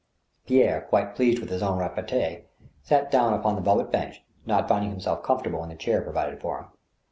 Pierre, quite pleased with his own repartee, sat down upon the velvet bench, not finding himself comfortable in the chair provided for him.